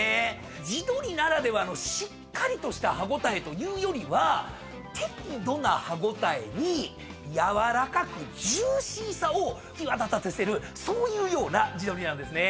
地鶏ならではのしっかりとした歯応えというよりは適度な歯応えに軟らかくジューシーさを際立たせるそういうような地鶏なんですね。